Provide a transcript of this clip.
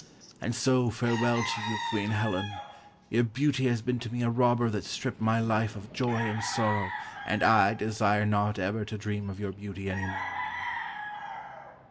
"And so farewell to you, Queen Helen! Your beauty has been to me a robber that stripped my life of joy and sorrow, and I desire not ever to dream of your beauty any more."